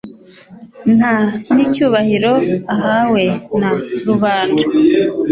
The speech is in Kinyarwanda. nta n'icyubahiro ahawe na rubanda.